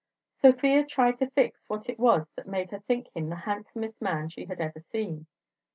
Sofia tried to fix what it was that made her think him the handsomest man she had ever seen.